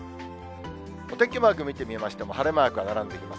お天気マーク見てみましても、晴れマークが並んできます。